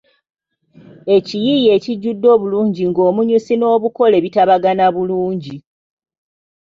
Ekiyiiye ekijjudde obulungi ng’omunyusi n’obukole bitabagana bulungi.